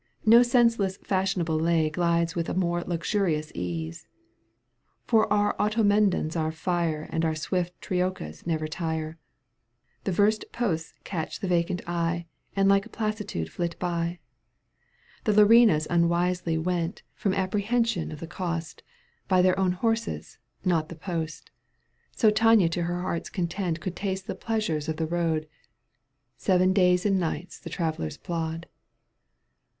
No senseless fashionable lay Glides with a more luxurious ease ; For our Automedons are fire And our swift troikas never tire ; The verst posts catch the vacant eye And like a palissade flit by.^^ The lArinas imwisely went, Digitized by CjOOQ 1С CANTO viL EUGENE ON^GUINE. 207 From apprehension of the cost, By their own horses, not the post — So Tania to her heart's content Could taste the pleasures of the road. Seven days and nights the travellers plod.